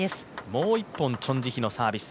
もう一本、チョン・ジヒのサービス